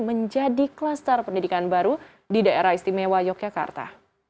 menjadi kluster pendidikan baru di daerah istimewa yogyakarta